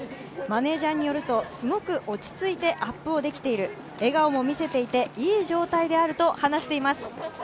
マネージャーによると、すごく落ち着いてアップができている、笑顔を見せていていい状態であると話しています。